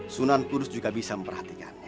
sunan kudus juga bisa memperhatikan